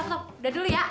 udah dulu ya